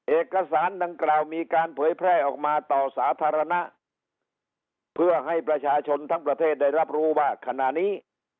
เอกสารดังกล่าวมีการเผยแพร่ออกมาต่อสาธารณะเพื่อให้ประชาชนทั้งประเทศได้รับรู้ว่าขณะนี้